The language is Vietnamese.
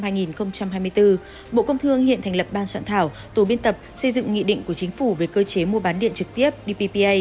bộ công thương hiện thành lập ban soạn thảo tổ biên tập xây dựng nghị định của chính phủ về cơ chế mua bán điện trực tiếp dppa